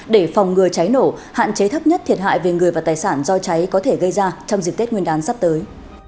để phòng ngừa cháy nổ hạn chế thấp nhất thiệt hại về người và tài sản do cháy có thể gây ra trong dịp tết nguyên đán sắp tới